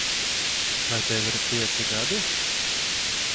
Vai tev ir pieci gadi?